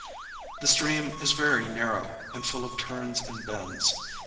The stream is very narrow, and full of turns and bends.